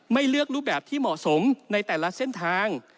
เลือกรูปแบบที่เหมาะสมในแต่ละเส้นทาง